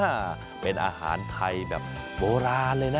เป็นอาหารไทยแบบโบราณเลยนะ